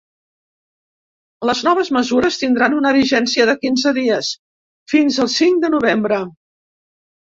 Les noves mesures tindran una vigència de quinze dies, fins al cinc de novembre.